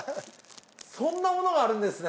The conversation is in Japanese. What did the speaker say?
そんなものがあるんですね。